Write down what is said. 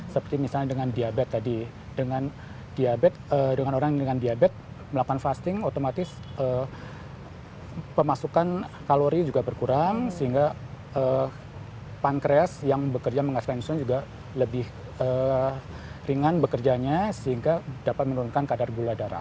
seperti misalnya dengan diabetes tadi dengan diabetes dengan orang yang dengan diabetes melakukan fasting otomatis pemasukan kalori juga berkurang sehingga pankreas yang bekerja mengas pensiun juga lebih ringan bekerjanya sehingga dapat menurunkan kadar gula darah